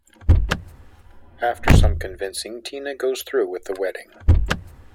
After some convincing, Tina goes through with the wedding.